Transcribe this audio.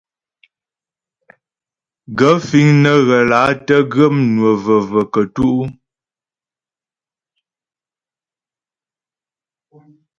Gaə̂ fíŋ nə́ ghə́ lǎ tə́ ghə́ mnwə və̀və̀ kətú' ?